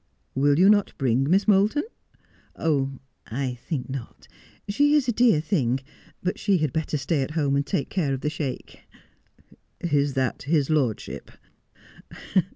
' Will you not bring Miss Moulton 1 '' I think not. She is a dear thing, but she had better stay at home and take care of the Sheik.' ' Is that his lordship